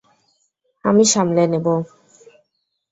আমি সামলে নেবো।